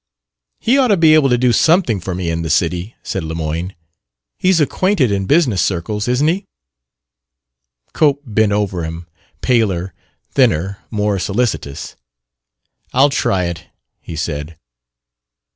"He ought to be able to do something for me in the city," said Lemoyne. "He's acquainted in business circles, isn't he?" Cope bent over him paler, thinner, more solicitous. "I'll try it," he said.